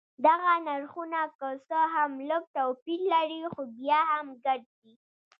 دغه نرخونه که څه هم لږ توپیر لري خو بیا هم ګډ دي.